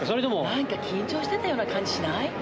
なんか緊張してたような感じしない？